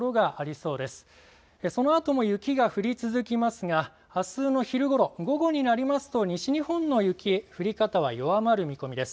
そのあとも雪が降り続きますがあすの昼ごろ、午後になりますと西日本の雪、降り方は弱まる見込みです。